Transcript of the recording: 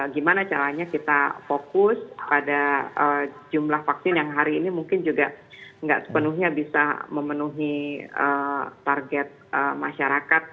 gimana caranya kita fokus pada jumlah vaksin yang hari ini mungkin juga nggak sepenuhnya bisa memenuhi target masyarakat